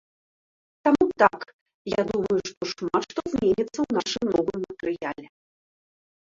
Таму, так, я думаю, што шмат што зменіцца ў нашым новым матэрыяле.